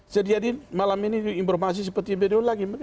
jadi malam ini informasi seperti bedul lagi